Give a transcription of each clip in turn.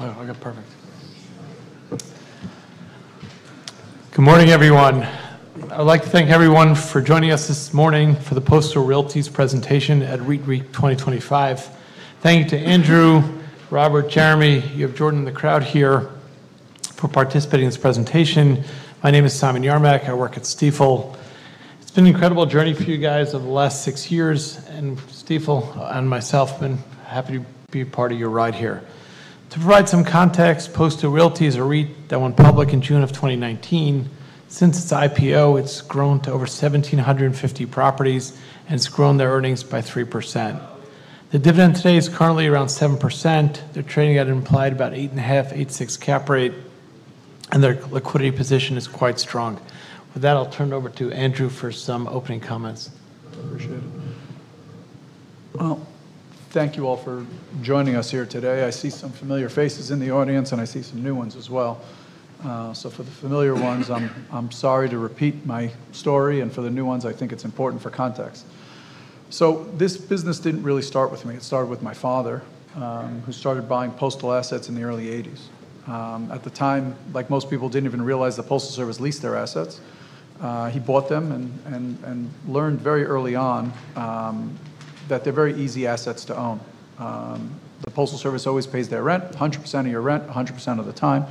All right, I got perfect. Good morning, everyone. I'd like to thank everyone for joining us this morning for the Postal Realty Trust's presentation at ReedReit 2025. Thank you to Andrew, Robert, Jeremy, you have Jordan in the crowd here for participating in this presentation. My name is Simon Yarmack. I work at Stifel. It's been an incredible journey for you guys over the last six years, and Stifel and myself have been happy to be part of your ride here. To provide some context, Postal Realty Trust is a REIT that went public in June of 2019. Since its IPO, it's grown to over 1,750 properties, and it's grown their earnings by 3%. The dividend today is currently around 7%. They're trading at implied about 8.5-8.6% cap rate, and their liquidity position is quite strong. With that, I'll turn it over to Andrew for some opening comments. Appreciate it. Thank you all for joining us here today. I see some familiar faces in the audience, and I see some new ones as well. For the familiar ones, I'm sorry to repeat my story, and for the new ones, I think it's important for context. This business didn't really start with me. It started with my father, who started buying postal assets in the early 1980s. At the time, like most people, he didn't even realize the Postal Service leased their assets. He bought them and learned very early on that they're very easy assets to own. The Postal Service always pays their rent, 100% of your rent, 100% of the time,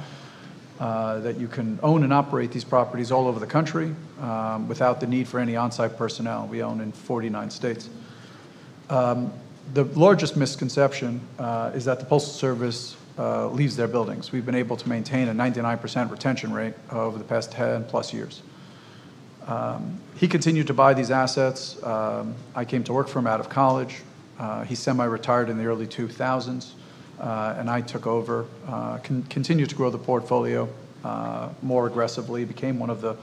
that you can own and operate these properties all over the country without the need for any on-site personnel. We own in 49 states. The largest misconception is that the Postal Service leaves their buildings. We've been able to maintain a 99% retention rate over the past 10 plus years. He continued to buy these assets. I came to work for him out of college. He semi-retired in the early 2000s, and I took over, continued to grow the portfolio more aggressively, became one of the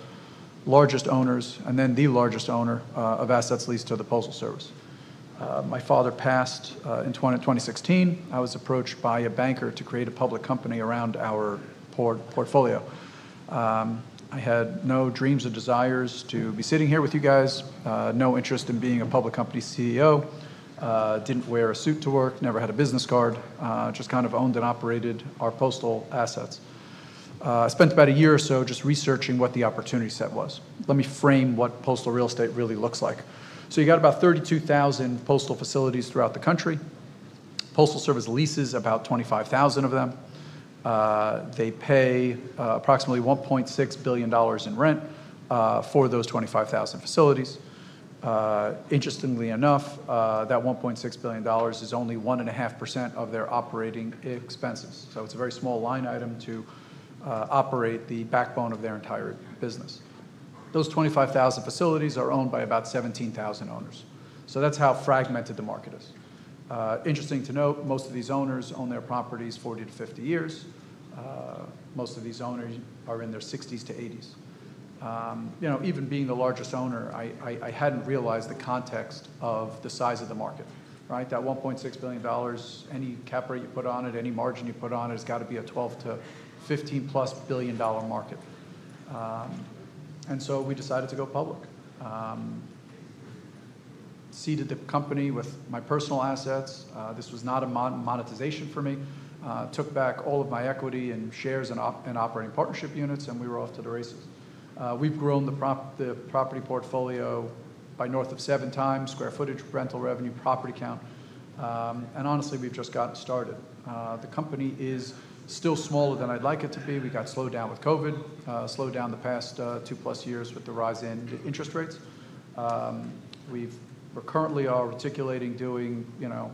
largest owners, and then the largest owner of assets leased to the Postal Service. My father passed in 2016. I was approached by a banker to create a public company around our portfolio. I had no dreams or desires to be sitting here with you guys, no interest in being a public company CEO, didn't wear a suit to work, never had a business card, just kind of owned and operated our postal assets. I spent about a year or so just researching what the opportunity set was. Let me frame what postal real estate really looks like. You got about 32,000 postal facilities throughout the country. Postal Service leases about 25,000 of them. They pay approximately $1.6 billion in rent for those 25,000 facilities. Interestingly enough, that $1.6 billion is only 1.5% of their operating expenses. It is a very small line item to operate the backbone of their entire business. Those 25,000 facilities are owned by about 17,000 owners. That is how fragmented the market is. Interesting to note, most of these owners own their properties 40-50 years. Most of these owners are in their 60s to 80s. You know, even being the largest owner, I had not realized the context of the size of the market. Right? That $1.6 billion, any cap rate you put on it, any margin you put on it, it's got to be a $12 billion-$15 billion plus market. We decided to go public. Seeded the company with my personal assets. This was not a monetization for me. Took back all of my equity and shares and operating partnership units, and we were off to the races. We've grown the property portfolio by north of seven times square footage, rental revenue, property count. Honestly, we've just gotten started. The company is still smaller than I'd like it to be. We got slowed down with COVID, slowed down the past two plus years with the rise in interest rates. We're currently articulating doing, you know,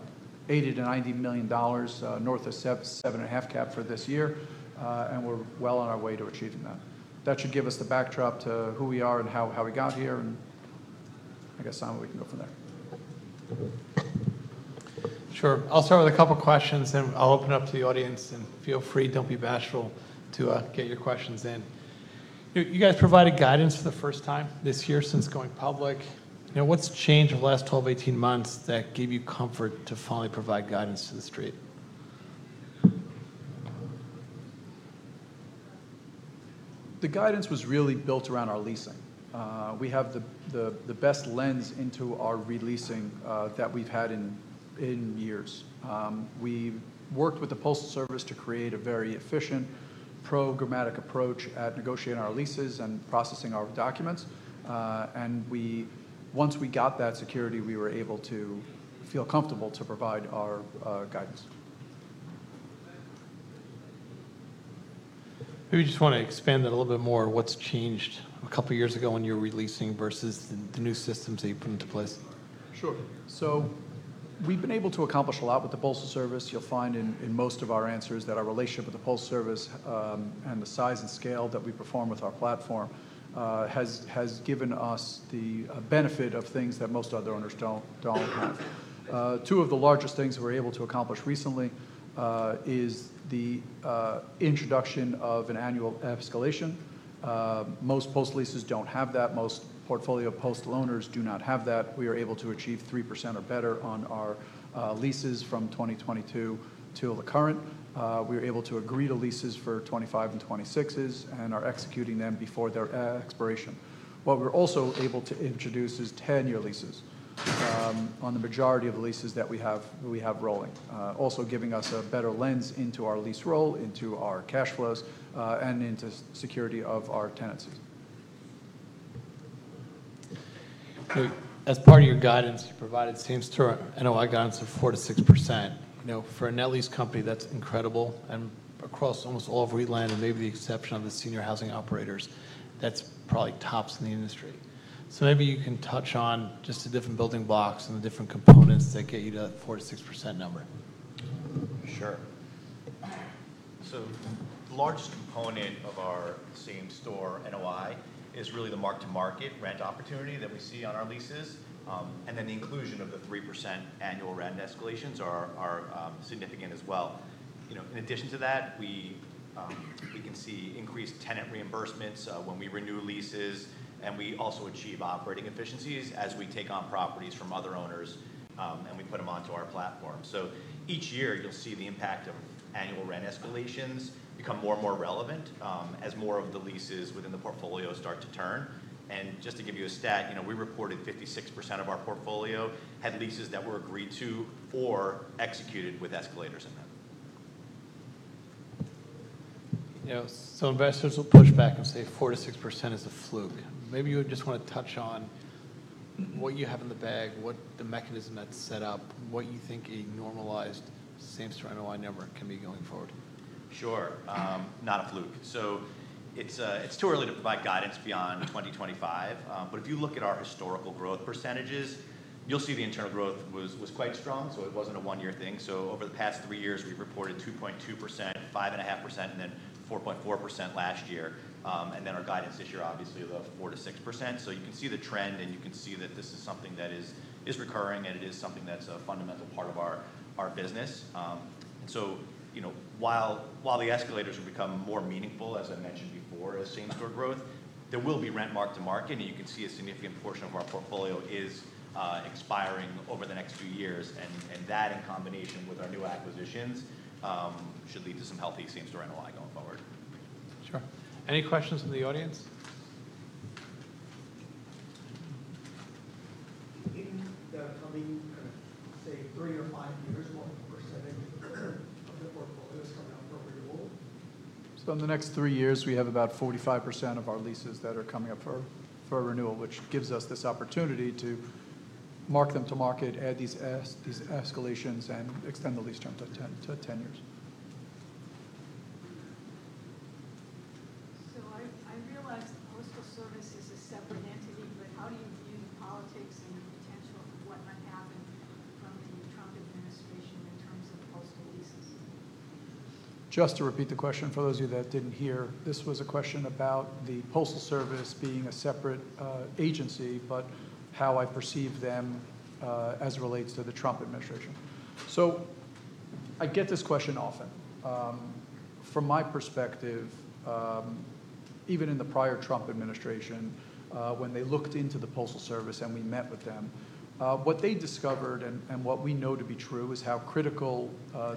$80 million-$90 million north of 7.5% cap for this year, and we're well on our way to achieving that. That should give us the backdrop to who we are and how we got here. I guess, Simon, we can go from there. Sure. I'll start with a couple of questions, then I'll open it up to the audience, and feel free, don't be bashful, to get your questions in. You guys provided guidance for the first time this year since going public. You know, what's changed over the last 12-18 months that gave you comfort to finally provide guidance to the street? The guidance was really built around our leasing. We have the best lens into our re-leasing that we've had in years. We worked with the Postal Service to create a very efficient, programmatic approach at negotiating our leases and processing our documents. Once we got that security, we were able to feel comfortable to provide our guidance. Maybe you just want to expand that a little bit more, what's changed a couple of years ago when you were re-leasing versus the new systems that you put into place? Sure. We've been able to accomplish a lot with the Postal Service. You'll find in most of our answers that our relationship with the Postal Service and the size and scale that we perform with our platform has given us the benefit of things that most other owners don't have. Two of the largest things we're able to accomplish recently is the introduction of an annual escalation. Most postal leases don't have that. Most portfolio postal owners do not have that. We are able to achieve 3% or better on our leases from 2022 till the current. We are able to agree to leases for 2025s and 2026s and are executing them before their expiration. What we're also able to introduce is 10-year leases on the majority of the leases that we have rolling, also giving us a better lens into our lease roll, into our cash flows, and into security of our tenancies. As part of your guidance, you provided same-store NOI guidance of 4%-6%. You know, for a net lease company, that's incredible. Across almost all of REIT land, and maybe the exception of the senior housing operators, that's probably tops in the industry. Maybe you can touch on just the different building blocks and the different components that get you to that 4%-6% number. Sure. The largest component of our same-store NOI is really the mark-to-market rent opportunity that we see on our leases, and then the inclusion of the 3% annual rent escalations are significant as well. You know, in addition to that, we can see increased tenant reimbursements when we renew leases, and we also achieve operating efficiencies as we take on properties from other owners and we put them onto our platform. Each year, you'll see the impact of annual rent escalations become more and more relevant as more of the leases within the portfolio start to turn. Just to give you a stat, you know, we reported 56% of our portfolio had leases that were agreed to or executed with escalators in them. Yeah, some investors will push back and say 4%-6% is a fluke. Maybe you would just want to touch on what you have in the bag, what the mechanism that's set up, what you think a normalized same-store NOI number can be going forward. Sure. Not a fluke. It is too early to provide guidance beyond 2025, but if you look at our historical growth percentages, you will see the internal growth was quite strong, so it was not a one-year thing. Over the past three years, we have reported 2.2%, 5.5%, and then 4.4% last year, and our guidance this year, obviously, of 4%-6%. You can see the trend, and you can see that this is something that is recurring, and it is something that is a fundamental part of our business. You know, while the escalators will become more meaningful, as I mentioned before, as same-store growth, there will be rent mark-to-market, and you can see a significant portion of our portfolio is expiring over the next few years, and that in combination with our new acquisitions should lead to some healthy same-store NOI going forward. Sure. Any questions from the audience? In the coming, kind of say, three or five years, what percentage of the portfolio is coming up for renewal? In the next three years, we have about 45% of our leases that are coming up for renewal, which gives us this opportunity to mark them to market, add these escalations, and extend the lease term to 10 years. I realize Postal Service is a separate entity, but how do you view the politics and the potential of what might happen from the Trump administration in terms of postal leases? Just to repeat the question for those of you that didn't hear, this was a question about the Postal Service being a separate agency, but how I perceive them as it relates to the Trump administration. I get this question often. From my perspective, even in the prior Trump administration, when they looked into the Postal Service and we met with them, what they discovered and what we know to be true is how critical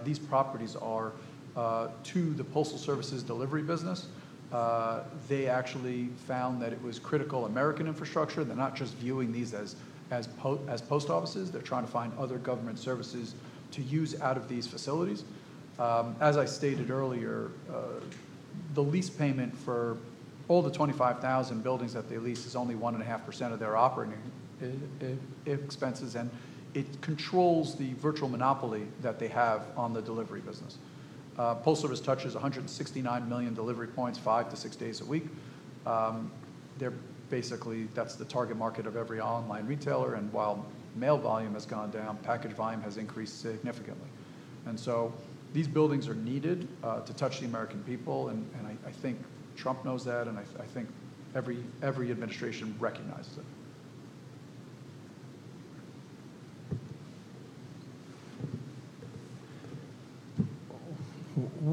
these properties are to the Postal Service's delivery business. They actually found that it was critical American infrastructure. They're not just viewing these as post offices. They're trying to find other government services to use out of these facilities. As I stated earlier, the lease payment for all the 25,000 buildings that they lease is only 1.5% of their operating expenses, and it controls the virtual monopoly that they have on the delivery business. Postal Service touches 169 million delivery points five to six days a week. They're basically, that's the target market of every online retailer, and while mail volume has gone down, package volume has increased significantly. These buildings are needed to touch the American people, and I think Trump knows that, and I think every administration recognizes it.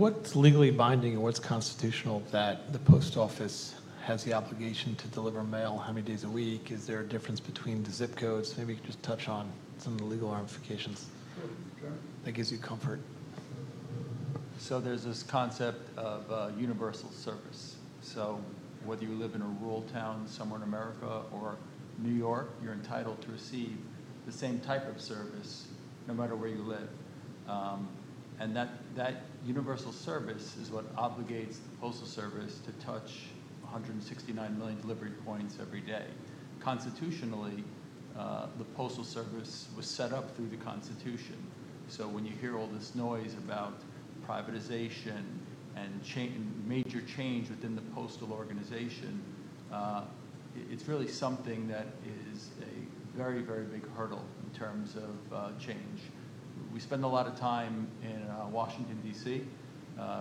What's legally binding or what's constitutional that the Post Office has the obligation to deliver mail how many days a week? Is there a difference between the zip codes? Maybe you could just touch on some of the legal ramifications that gives you comfort. There is this concept of universal service. Whether you live in a rural town somewhere in America or New York, you're entitled to receive the same type of service no matter where you live. That universal service is what obligates the Postal Service to touch 169 million delivery points every day. Constitutionally, the Postal Service was set up through the Constitution. When you hear all this noise about privatization and major change within the Postal organization, it's really something that is a very, very big hurdle in terms of change. We spend a lot of time in Washington, D.C.,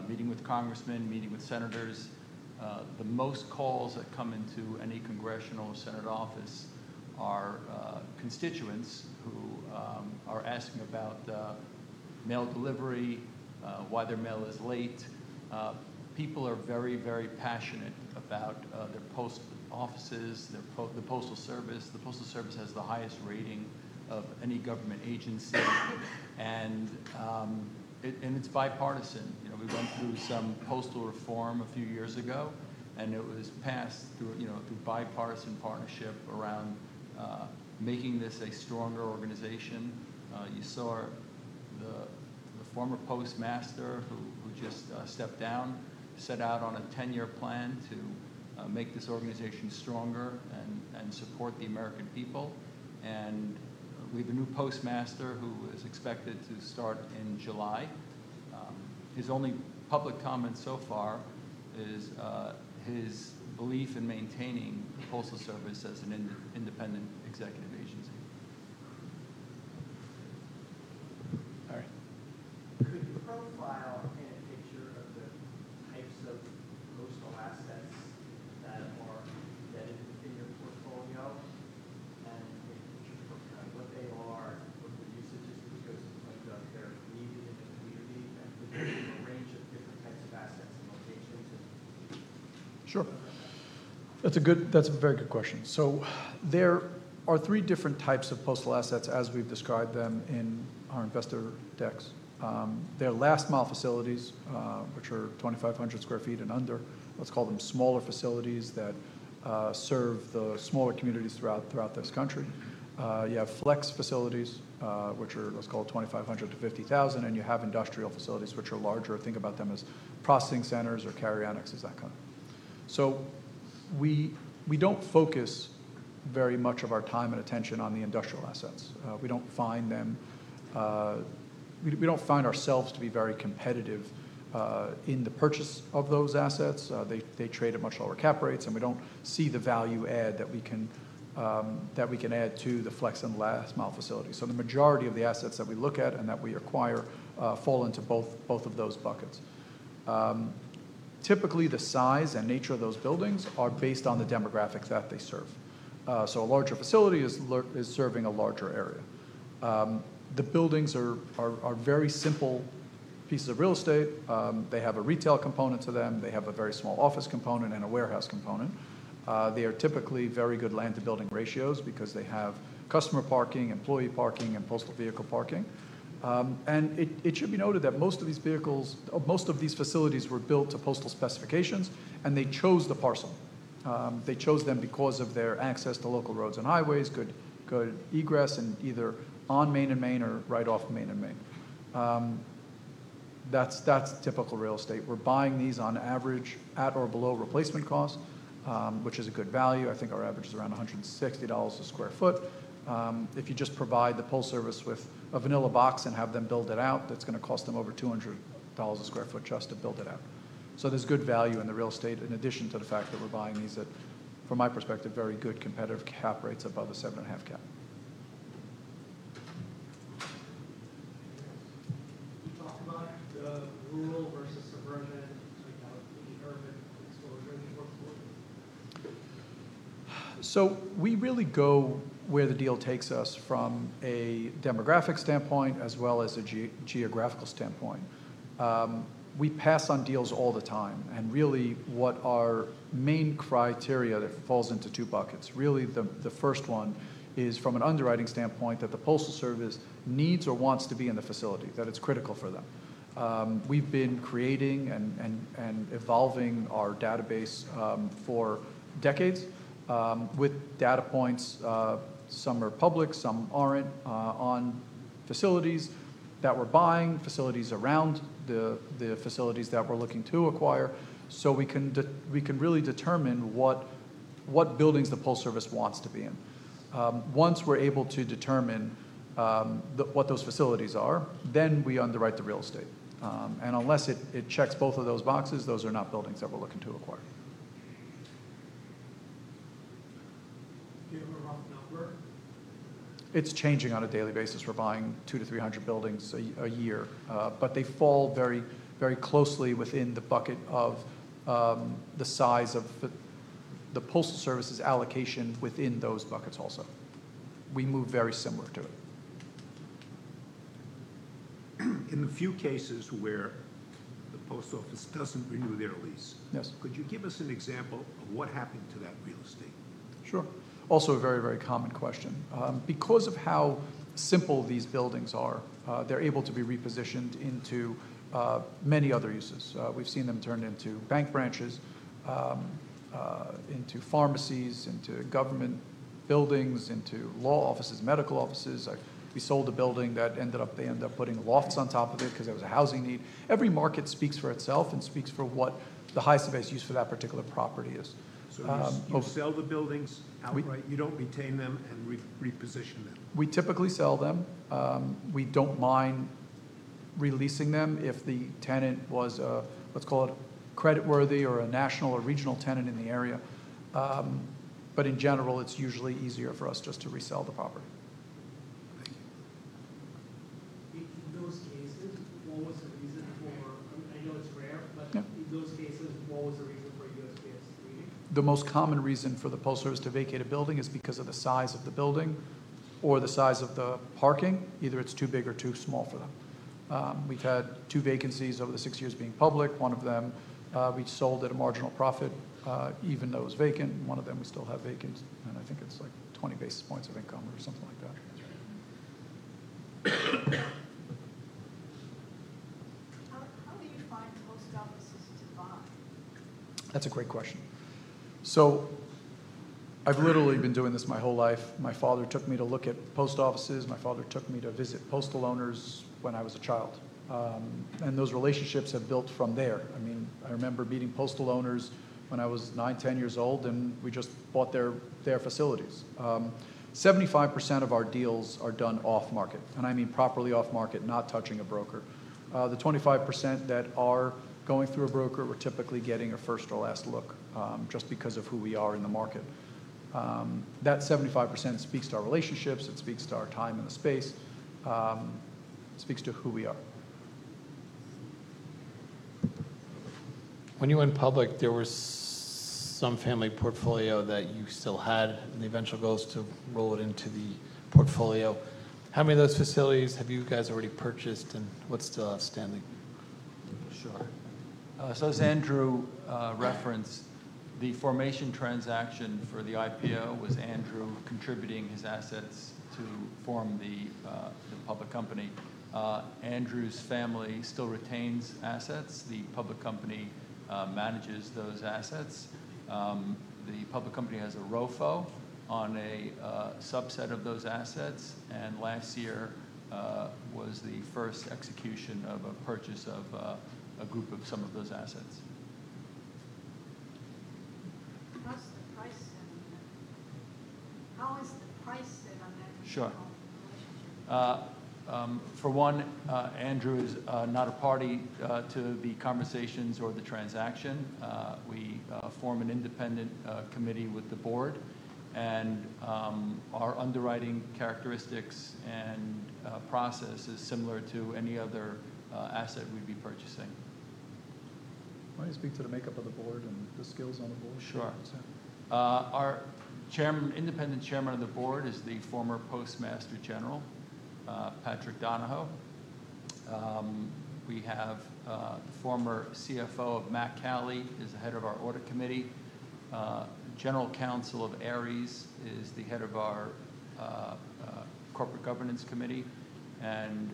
meeting with congressmen, meeting with senators. The most calls that come into any congressional or Senate office are constituents who are asking about mail delivery, why their mail is late. People are very, very passionate about their post offices, the Postal Service. The Postal Service has the highest rating of any government agency, and it's bipartisan. You know, we went through some postal reform a few years ago, and it was passed through a bipartisan partnership around making this a stronger organization. You saw the former Postmaster who just stepped down set out on a 10-year plan to make this organization stronger and support the American people. We have a new Postmaster who is expected to start in July. His only public comment so far is his belief in maintaining the Postal Service as an independent executive agency. All right. Could you profile in a picture of the types of postal assets that are embedded within your portfolio and make a picture of kind of what they are, what the usage is, what they're needed in the community, and a range of different types of assets and locations? Sure. That's a very good question. There are three different types of postal assets as we've described them in our investor decks. There are last-mile facilities, which are 2,500 sq ft and under. Let's call them smaller facilities that serve the smaller communities throughout this country. You have flex facilities, which are, let's call it 2,500-50,000, and you have industrial facilities, which are larger. Think about them as processing centers or carry-on exits that kind of. We don't focus very much of our time and attention on the industrial assets. We don't find them; we don't find ourselves to be very competitive in the purchase of those assets. They trade at much lower cap rates, and we don't see the value add that we can add to the flex and last-mile facility. The majority of the assets that we look at and that we acquire fall into both of those buckets. Typically, the size and nature of those buildings are based on the demographics that they serve. A larger facility is serving a larger area. The buildings are very simple pieces of real estate. They have a retail component to them. They have a very small office component and a warehouse component. They are typically very good land-to-building ratios because they have customer parking, employee parking, and postal vehicle parking. It should be noted that most of these facilities were built to postal specifications, and they chose the parcel. They chose them because of their access to local roads and highways, good egress, and either on main and main or right off main and main. That is typical real estate. We're buying these on average at or below replacement cost, which is a good value. I think our average is around $160 per sq ft. If you just provide the Postal Service with a vanilla box and have them build it out, that's going to cost them over $200 per sq ft just to build it out. There is good value in the real estate in addition to the fact that we're buying these at, from my perspective, very good competitive cap rates above a 7.5% cap. You talked about rural versus suburban and kind of the urban exposure in your portfolio. We really go where the deal takes us from a demographic standpoint as well as a geographical standpoint. We pass on deals all the time, and really what our main criteria that falls into two buckets. Really, the first one is from an underwriting standpoint that the Postal Service needs or wants to be in the facility, that it's critical for them. We've been creating and evolving our database for decades with data points, some are public, some aren't, on facilities that we're buying, facilities around the facilities that we're looking to acquire, so we can really determine what buildings the Postal Service wants to be in. Once we're able to determine what those facilities are, then we underwrite the real estate. Unless it checks both of those boxes, those are not buildings that we're looking to acquire. Do you ever run a number? It's changing on a daily basis. We're buying 200-300 buildings a year, but they fall very, very closely within the bucket of the size of the Postal Service's allocation within those buckets also. We move very similar to it. In the few cases where the Postal Office doesn't renew their lease, could you give us an example of what happened to that real estate? Sure. Also a very, very common question. Because of how simple these buildings are, they're able to be repositioned into many other uses. We've seen them turned into bank branches, into pharmacies, into government buildings, into law offices, medical offices. We sold a building that ended up, they ended up putting lofts on top of it because there was a housing need. Every market speaks for itself and speaks for what the highest-based use for that particular property is. You sell the buildings outright? You don't retain them and reposition them? We typically sell them. We do not mind releasing them if the tenant was, let's call it, creditworthy or a national or regional tenant in the area. In general, it is usually easier for us just to resell the property. Thank you. In those cases, what was the reason for, I know it's rare, but in those cases, what was the reason for USPS leaving? The most common reason for the Postal Service to vacate a building is because of the size of the building or the size of the parking. Either it's too big or too small for them. We've had two vacancies over the six years being public. One of them we sold at a marginal profit, even though it was vacant. One of them we still have vacant, and I think it's like 20 basis points of income or something like that. How do you find Postal Offices to buy? That's a great question. I've literally been doing this my whole life. My father took me to look at Postal Offices. My father took me to visit Postal owners when I was a child. Those relationships have built from there. I mean, I remember meeting Postal owners when I was nine, ten years old, and we just bought their facilities. 75% of our deals are done off-market, and I mean properly off-market, not touching a broker. The 25% that are going through a broker, we're typically getting a first or last look just because of who we are in the market. That 75% speaks to our relationships. It speaks to our time in the space. It speaks to who we are. When you went public, there was some family portfolio that you still had, and the eventual goal is to roll it into the portfolio. How many of those facilities have you guys already purchased, and what's still outstanding? Sure. So as Andrew referenced, the formation transaction for the IPO was Andrew contributing his assets to form the public company. Andrew's family still retains assets. The public company manages those assets. The public company has a ROFO on a subset of those assets, and last year was the first execution of a purchase of a group of some of those assets. How is the price set on that relationship? Sure. For one, Andrew is not a party to the conversations or the transaction. We form an independent committee with the board, and our underwriting characteristics and process is similar to any other asset we'd be purchasing. Why don't you speak to the makeup of the board and the skills on the board? Sure. Our independent Chairman of the Board is the former Postmaster General, Patrick Donahoe. We have the former CFO of Mack-Cali as head of our Audit Committee. General Counsel of Ares is the head of our Corporate Governance Committee, and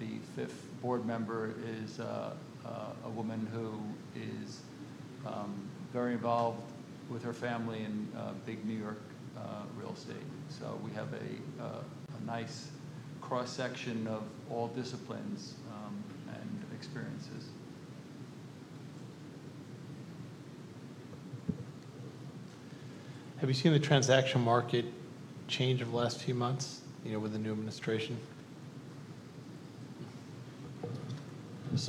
the fifth board member is a woman who is very involved with her family in big New York real estate. So we have a nice cross-section of all disciplines and experiences. Have you seen the transaction market change over the last few months, you know, with the new administration?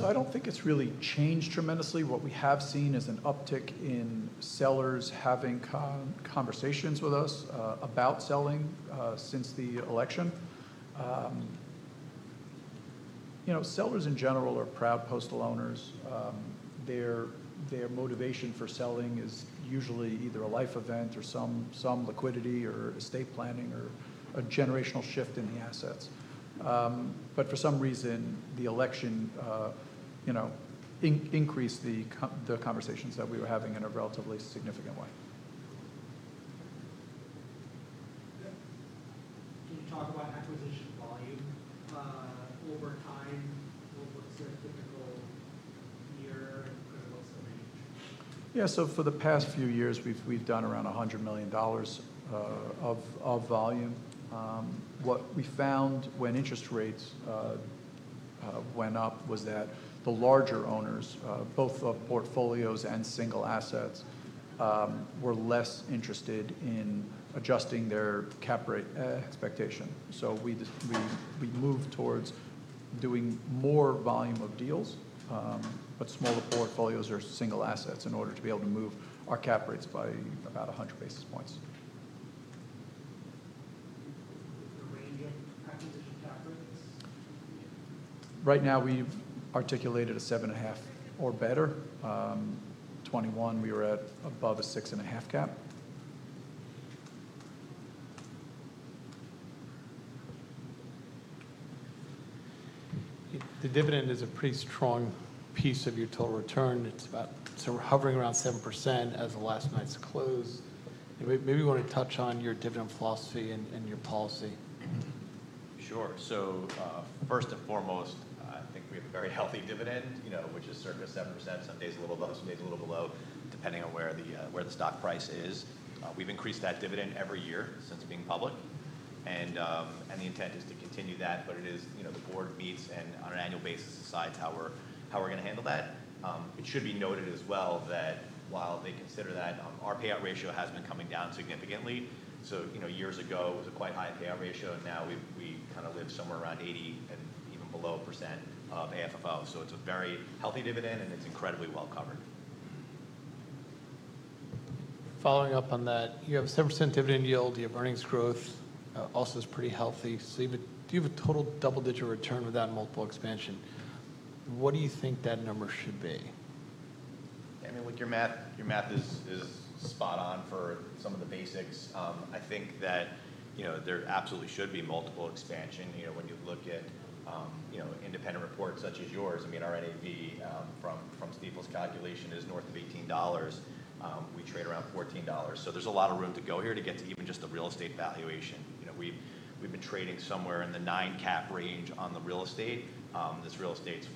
I don't think it's really changed tremendously. What we have seen is an uptick in sellers having conversations with us about selling since the election. You know, sellers in general are proud Postal owners. Their motivation for selling is usually either a life event or some liquidity or estate planning or a generational shift in the assets. For some reason, the election, you know, increased the conversations that we were having in a relatively significant way. Can you talk about acquisition volume over time? What's a typical year and kind of what's the range? Yeah. For the past few years, we've done around $100 million of volume. What we found when interest rates went up was that the larger owners, both of portfolios and single assets, were less interested in adjusting their cap rate expectation. We moved towards doing more volume of deals, but smaller portfolios or single assets in order to be able to move our cap rates by about 100 basis points. The range of acquisition cap rates? Right now, we've articulated a 7.5% or better. In 2021, we were at above a 6.5% cap. The dividend is a pretty strong piece of your total return. It's about, so we're hovering around 7% as of last night's close. Maybe you want to touch on your dividend philosophy and your policy. Sure. So first and foremost, I think we have a very healthy dividend, you know, which is circa 7%. Some days a little low, some days a little below, depending on where the stock price is. We've increased that dividend every year since being public, and the intent is to continue that. It is, you know, the board meets on an annual basis to decide how we're going to handle that. It should be noted as well that while they consider that, our payout ratio has been coming down significantly. You know, years ago, it was a quite high payout ratio, and now we kind of live somewhere around 80% and even below a percent of AFFO. So it's a very healthy dividend, and it's incredibly well covered. Following up on that, you have a 7% dividend yield. You have earnings growth. Also is pretty healthy. So you have a total double-digit return without multiple expansion. What do you think that number should be? I mean, look, your math is spot on for some of the basics. I think that, you know, there absolutely should be multiple expansion. You know, when you look at, you know, independent reports such as yours, I mean, our NAV from Stifel's calculation is north of $18. We trade around $14. So there's a lot of room to go here to get to even just the real estate valuation. You know, we've been trading somewhere in the 9% cap range on the real estate. This real estate's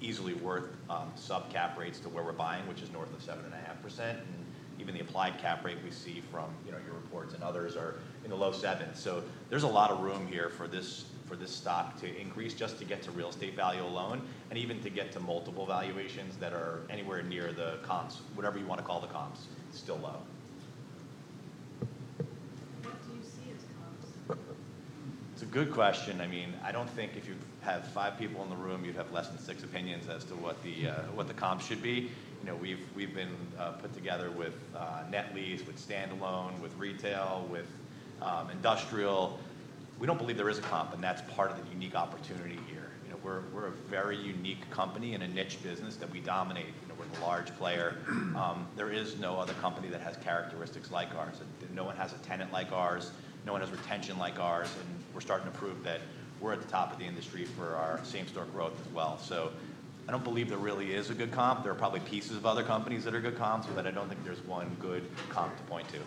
easily worth sub cap rates to where we're buying, which is north of 7.5%. And even the applied cap rate we see from, you know, your reports and others are in the low 7%. There's a lot of room here for this stock to increase just to get to real estate value alone and even to get to multiple valuations that are anywhere near the comps, whatever you want to call the comps, still low. What do you see as comps? It's a good question. I mean, I don't think if you have five people in the room, you'd have less than six opinions as to what the comps should be. You know, we've been put together with NetLease, with Standalone, with Retail, with Industrial. We don't believe there is a comp, and that's part of the unique opportunity here. You know, we're a very unique company in a niche business that we dominate. You know, we're the large player. There is no other company that has characteristics like ours. No one has a tenant like ours. No one has retention like ours. And we're starting to prove that we're at the top of the industry for our same-store growth as well. So I don't believe there really is a good comp. There are probably pieces of other companies that are good comps, but I don't think there's one good comp to point to.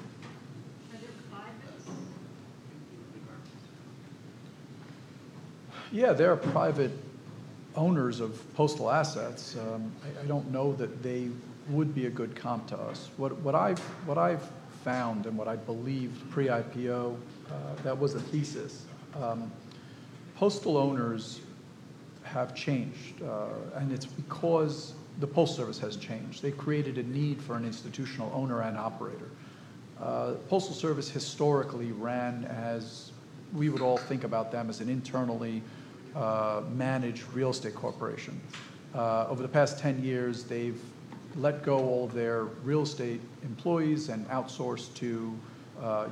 Are there private owners? Yeah, there are private owners of Postal assets. I don't know that they would be a good comp to us. What I've found and what I believed pre-IPO, that was a thesis. Postal owners have changed, and it's because the Postal Service has changed. They created a need for an institutional owner and operator. Postal Service historically ran as we would all think about them as an internally managed real estate corporation. Over the past 10 years, they've let go of all their real estate employees and outsourced to,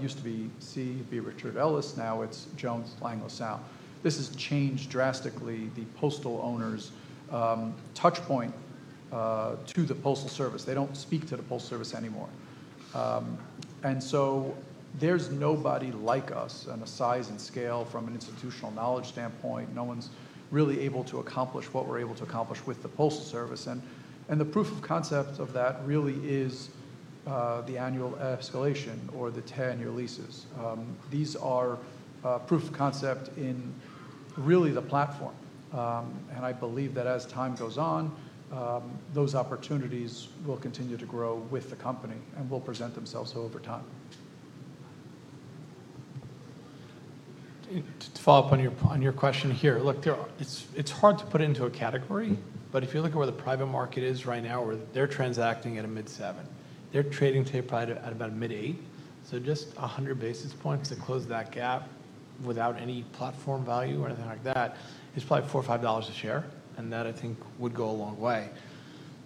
used to be CBRE, now it's Jones Lang LaSalle. This has changed drastically. The Postal owners' touchpoint to the Postal Service, they don't speak to the Postal Service anymore. There's nobody like us on a size and scale from an institutional knowledge standpoint. No one's really able to accomplish what we're able to accomplish with the Postal Service. The proof of concept of that really is the annual escalation or the 10-year leases. These are proof of concept in really the platform. I believe that as time goes on, those opportunities will continue to grow with the company and will present themselves over time. To follow up on your question here, look, it's hard to put it into a category, but if you look at where the private market is right now, where they're transacting at a mid-7, they're trading today at about a mid-8. So just 100 basis points to close that gap without any platform value or anything like that is probably $4 or $5 a share. And that, I think, would go a long way.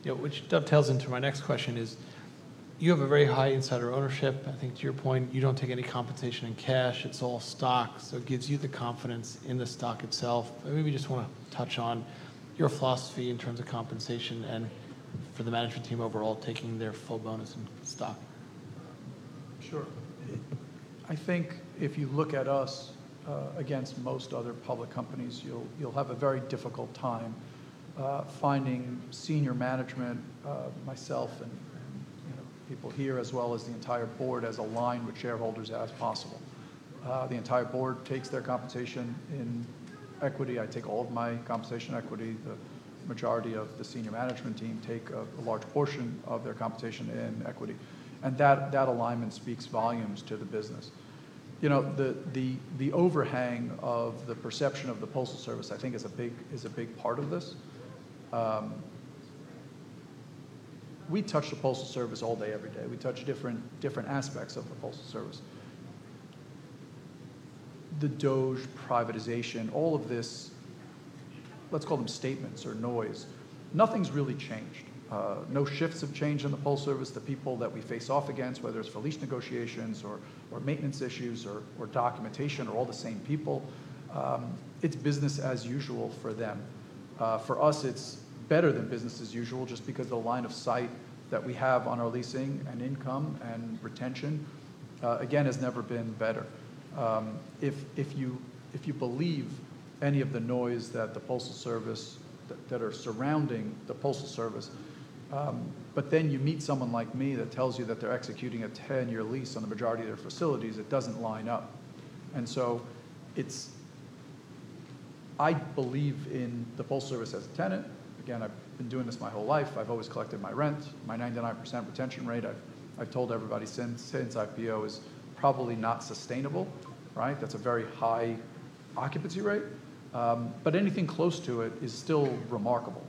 You know, which dovetails into my next question is you have a very high insider ownership. I think to your point, you don't take any compensation in cash. It's all stock. So it gives you the confidence in the stock itself. Maybe we just want to touch on your philosophy in terms of compensation and for the management team overall taking their full bonus in stock. Sure. I think if you look at us against most other public companies, you'll have a very difficult time finding senior management, myself and, you know, people here as well as the entire board as aligned with shareholders as possible. The entire board takes their compensation in equity. I take all of my compensation in equity. The majority of the senior management team take a large portion of their compensation in equity. And that alignment speaks volumes to the business. You know, the overhang of the perception of the Postal Service, I think, is a big part of this. We touch the Postal Service all day, every day. We touch different aspects of the Postal Service. The Doge privatization, all of this, let's call them statements or noise, nothing's really changed. No shifts have changed in the Postal Service. The people that we face off against, whether it's for lease negotiations or maintenance issues or documentation, are all the same people. It's business as usual for them. For us, it's better than business as usual just because the line of sight that we have on our leasing and income and retention, again, has never been better. If you believe any of the noise that the Postal Service that are surrounding the Postal Service, but then you meet someone like me that tells you that they're executing a 10-year lease on the majority of their facilities, it doesn't line up. I believe in the Postal Service as a tenant. Again, I've been doing this my whole life. I've always collected my rent. My 99% retention rate, I've told everybody since IPO is probably not sustainable, right? That's a very high occupancy rate. Anything close to it is still remarkable.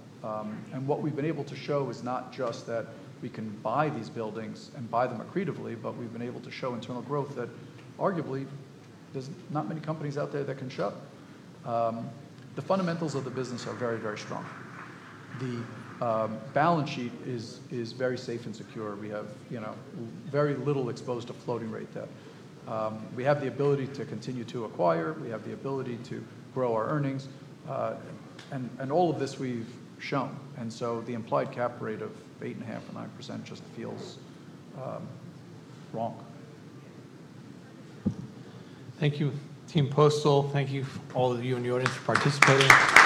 What we've been able to show is not just that we can buy these buildings and buy them accretively, but we've been able to show internal growth that arguably there's not many companies out there that can show. The fundamentals of the business are very, very strong. The balance sheet is very safe and secure. We have, you know, very little exposed to floating rate debt. We have the ability to continue to acquire. We have the ability to grow our earnings. All of this we've shown. The implied cap rate of 8.5% or 9% just feels wrong. Thank you, Team Postal. Thank you all of you and your audience for participating.